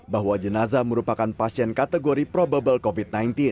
bahwa jenazah merupakan pasien kategori probable covid sembilan belas